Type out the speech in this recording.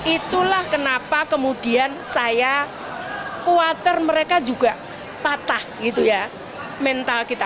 itulah kenapa kemudian saya khawatir mereka juga patah gitu ya mental kita